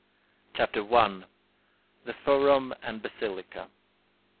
CHAPTER I THE FORUM AND BASILICA 1.